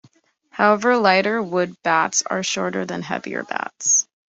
However, lighter wood bats are shorter than heavier bats.